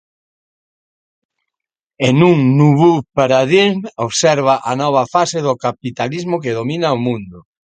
En Un noveau Paradigme observa a nova fase do capitalismo que domina o mundo.